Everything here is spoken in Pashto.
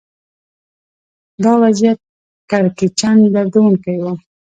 دا وضعیت کړکېچن دردونکی و